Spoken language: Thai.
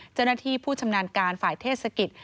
เจ้าหน้าที่ผู้ชำนาญการฝ่ายเทศกิจ